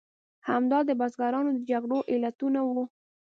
همدا د بزګرانو د جګړو علتونه وو.